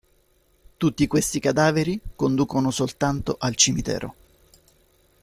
Tutti questi cadaveri conducono soltanto al cimitero.